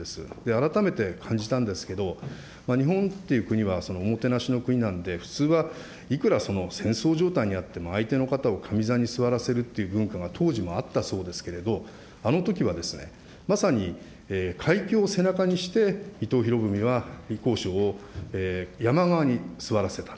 改めて感じたんですけれども、日本っていう国はおもてなしの国なんで、普通は、いくら戦争状態にあっても、相手の方を神座に座らせるっていう文化は当時もあったそうですけれども、あのときはまさに海峡を背中にして、伊藤博文はを山側に座らせた。